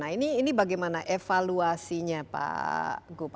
nah ini bagaimana evaluasinya pak gup